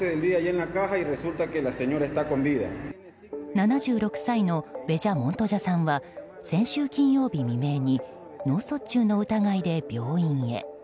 ７６歳のベジャ・モントジャさんは先週金曜日未明に脳卒中の疑いで病院へ。